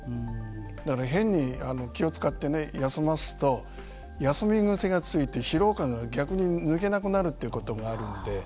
だから変に気を使って休ますと休み癖がついて疲労感が逆に抜けなくなるということがあるんで。